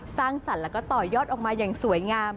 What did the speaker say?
สร้างสรรค์แล้วก็ต่อยอดออกมาอย่างสวยงาม